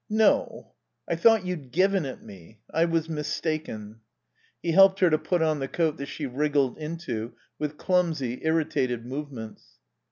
"No. I thought you'd given it me.... I was mistaken." He helped her to put on the coat that she wriggled into with clumsy, irritated movements.